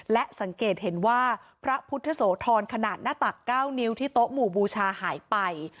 และสังเกตเห็นว่าพระพุทธโสธรขนาดหน้าตัก๙นิ้วที่โต๊ะหมู่บูชาหายไป